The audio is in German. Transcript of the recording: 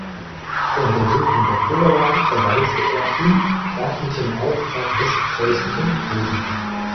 Zur Untersuchung der Cholera bereiste er in staatlichem Auftrag Westpreußen und Posen.